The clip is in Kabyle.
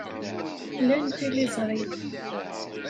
Lan tiliẓri.